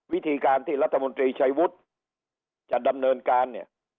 วิธีการที่รัฐมนตรีชัยวุฒิจะดำเนินการเนี่ย